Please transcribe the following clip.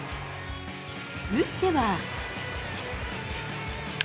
打っては。